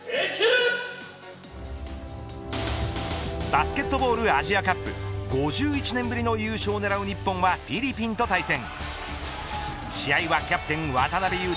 バスケットボールアジアカップ５１年ぶりの優勝を狙う日本はフィリピンと対戦。